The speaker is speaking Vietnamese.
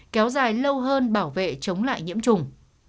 kéo dài lâu hơn bảo vệ chống lại nhiễm trùng